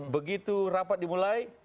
begitu rapat dimulai